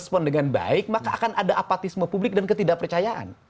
merekspon dengan baik maka akan ada apatisme publik dan ketidak percayaan